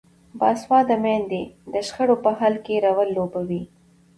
باسواده میندې د شخړو په حل کې رول لوبوي.